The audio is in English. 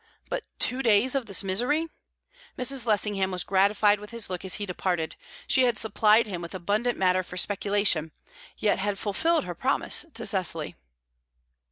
But two days of this misery! Mrs. Lessingham was gratified with his look as he departed; she had supplied him with abundant matter for speculation, yet had fulfilled her promise to Cecily.